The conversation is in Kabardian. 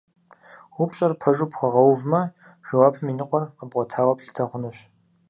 Упщӏэр пэжу пхуэгъэувмэ, жэуапым и ныкъуэр къэбгъуэтауэ плъытэ хъунущ.